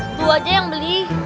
itu aja yang beli